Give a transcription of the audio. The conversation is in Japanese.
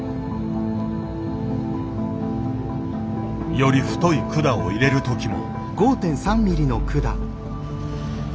より太い管を入れるときも。